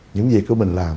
những việc của mình làm